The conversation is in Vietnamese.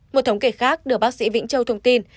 một thống kể khác đưa bác sĩ vĩnh châu thông tin